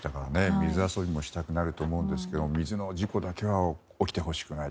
水遊びもしたくなると思うんですけど水の事故だけは起きてほしくない。